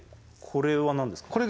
これは何ですか？